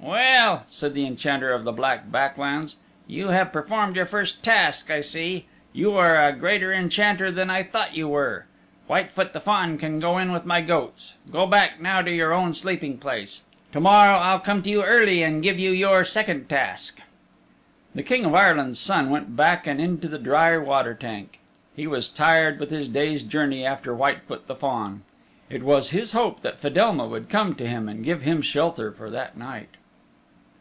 "Well," said the Enchanter of the Black Back Lands, "you have performed your first task, I see. You are a greater enchanter than I thought you were. Whitefoot the Fawn can go in with my goats. Go back now to your own sleeping place. To morrow I'll come to you early and give you your second task." The King of Ireland's Son went back and into the dry water tank. He was tired with his day's journey after Whitefoot the Fawn. It was his hope that Fedelma would come to him and give him shelter for that night.